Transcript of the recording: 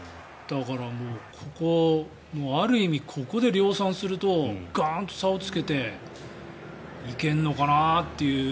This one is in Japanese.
だから、ある意味ここで量産するとガーンと差をつけていけるのかなという。